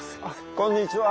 こんにちは。